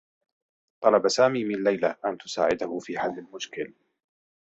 طلب سامي من ليلى أن تساعده في حلّ المشكل.